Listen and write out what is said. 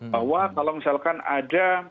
bahwa kalau misalkan ada